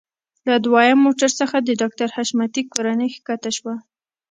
له دويم موټر څخه د ډاکټر حشمتي کورنۍ ښکته شوه.